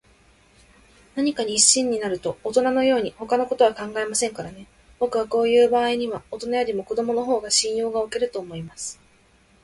何かに一心になると、おとなのように、ほかのことは考えませんからね。ぼくはこういうばあいには、おとなよりも子どものほうが信用がおけると思います。